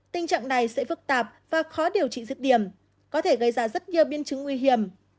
tình trạng này sẽ phức tạp và khó điều trị rứt điểm có thể gây ra rất nhiều biến chứng nguy hiểm